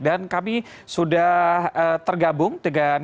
dan kami sudah tergabung dengan